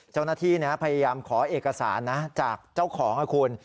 เจ้าหน้าที่พยายามขอเอกสารนะจากเจ้าของนะคุณ